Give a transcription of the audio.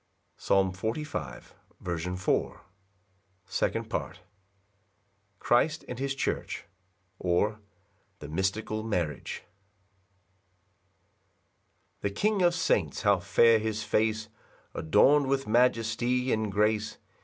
Psalm 45:4. Second Part. L. M. Christ and his church; or, The mystical marriage. 1 The king of saints, how fair his face, Adorn'd with majesty and grace!